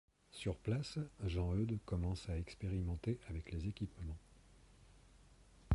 Sur place, Jean-Eudes commence à expérimenter avec les équipements.